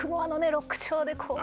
ロック調でこう。